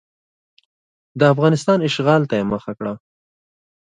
د افغانستان اشغال ته یې مخه کړه.